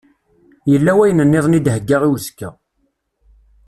Yella wayen-nniḍen i d-heggaɣ i uzekka.